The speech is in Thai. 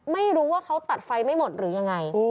ไม่รู้ว่าเขาตัดไฟไม่หมดหรือยังไง